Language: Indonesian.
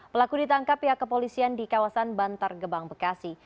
pelaku ditangkap pihak kepolisian di kawasan bantar gebang bekasi